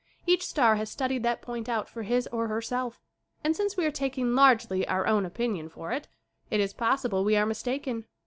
Each star has studied that point out for his or herself. And, since we are taking largely our own opinion for it, it is possible we are mistaken.